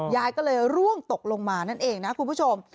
ยายก็เลยร่วงตกลงมานั่นเองนะคุณผู้ชม